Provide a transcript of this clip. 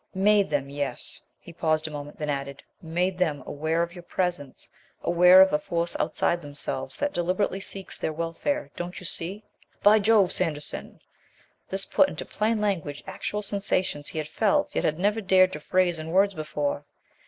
"Made them, yes," he paused a moment, then added, "made them aware of your presence; aware of a force outside themselves that deliberately seeks their welfare, don't you see?" "By Jove, Sanderson !" This put into plain language actual sensations he had felt, yet had never dared to phrase in words before.